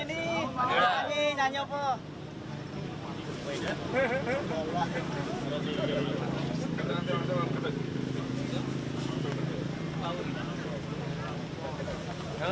di tempat yang asli di jemaah